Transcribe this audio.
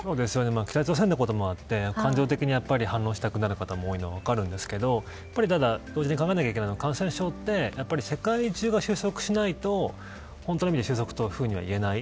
北朝鮮のこともあって感情的に反応したくなる方も多いのは分かるんですけどただ、同時に考えなきゃいけないのは感染症は世界中で収束しないと本当の意味で収束とは言えない。